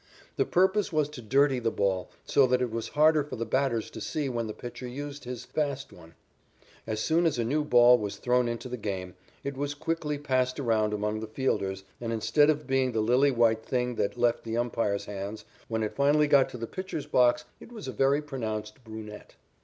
The purpose was to dirty the ball so that it was harder for the batters to see when the pitcher used his fast one. As soon as a new ball was thrown into the game, it was quickly passed around among the fielders, and instead of being the lily white thing that left the umpire's hands, when it finally got to the pitcher's box it was a very pronounced brunette.